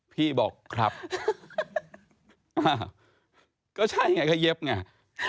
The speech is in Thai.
พี่บอกครับอ้าวก็ใช่ไงก็เย็บไง